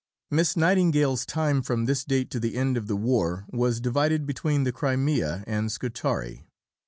Miss Nightingale's time from this date to the end of the war was divided between the Crimea and Scutari.